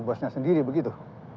bosnya sendiri begitu